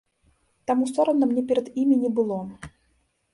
Таму сорамна мне перад імі не было.